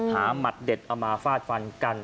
หมัดเด็ดเอามาฟาดฟันกัน